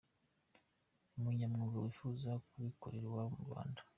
Umunyamwuga wifuza kubikorera iwabo mu Rwanda.